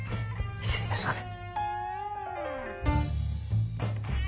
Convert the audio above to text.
失礼いたします。